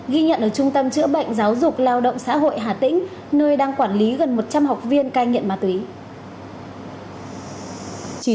ghi nhận ở trung tâm chữa bệnh giáo dục lao động xã hội hà tĩnh nơi đang quản lý gần một trăm linh học viên cai nghiện ma túy